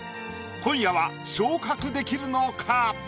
今夜は昇格できるのか？